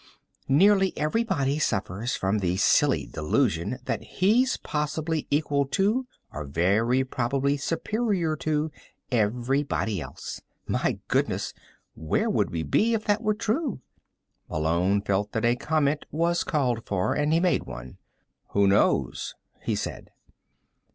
"Nearly everybody suffers from the silly delusion that he's possibly equal to, but very probably superior to, everybody else ... my goodness, where would we be if that were true?" Malone felt that a comment was called for, and he made one. "Who knows?" he said.